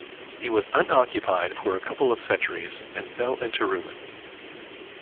It was unoccupied for a couple of centuries and fell into ruin.